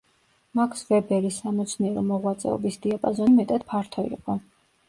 მაქს ვებერის სამეცნიერო მოღვაწეობის დიაპაზონი მეტად ფართო იყო.